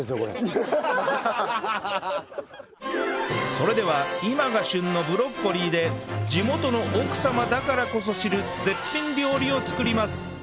それでは今が旬のブロッコリーで地元の奥様だからこそ知る絶品料理を作ります